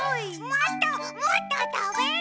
もっともっとたべる！